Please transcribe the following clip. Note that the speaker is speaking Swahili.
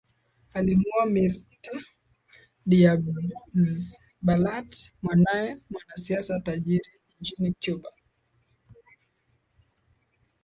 alimuoa Mirta DiazBalart mwanae mwanasiasa tajiri nchini Cuba